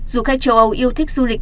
du khách châu âu yêu thích du lịch